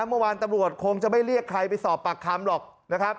เมื่อวานตำรวจคงจะไม่เรียกใครไปสอบปากคำหรอกนะครับ